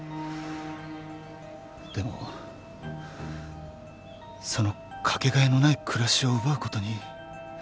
でもその掛け替えのない暮らしを奪うことに。